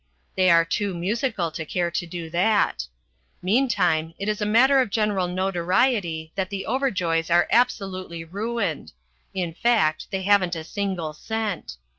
They are too musical to care to do that. Meantime it is a matter of general notoriety that the Overjoys are absolutely ruined; in fact, they haven't a single cent.